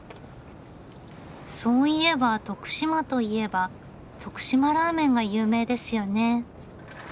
そういえば徳島といえば徳島ラーメンが有名ですよね。